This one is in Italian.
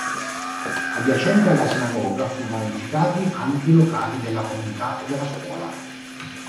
Adiacenti alla sinagoga furono edificati anche i locali della comunità e della scuola.